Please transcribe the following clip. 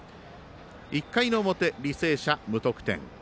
１回の表、履正社無得点。